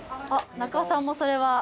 中尾さんもそれは？